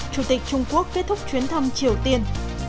chủ tịch trung quốc kết thúc chuyến thăm triều tiên